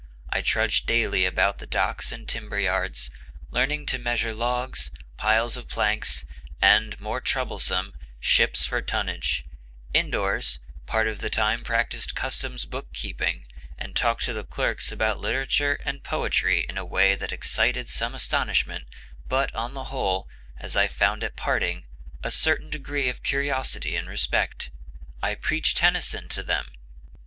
I trudged daily about the docks and timber yards, learning to measure logs, piles of planks, and, more troublesome, ships for tonnage; indoors, part of the time practiced customs book keeping, and talked to the clerks about literature and poetry in a way that excited some astonishment, but on the whole, as I found at parting, a certain degree of curiosity and respect. I preached Tennyson to them.